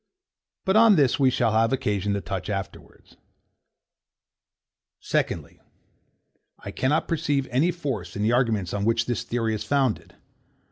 But on this we shall have occasion to touch afterwards. Section XII. Secondly, I cannot perceive any force in the arguments on which this theory is founded.